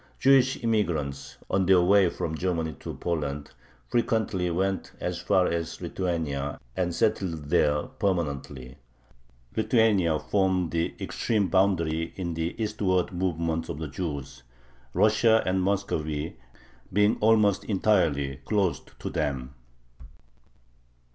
Jewish immigrants, on their way from Germany to Poland, frequently went as far as Lithuania and settled there permanently. Lithuania formed the extreme boundary in the eastward movement of the Jews, Russia and Muscovy being almost entirely closed to them.